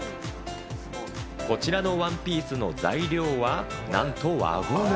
こちらのワンピースの材料はなんと輪ゴム。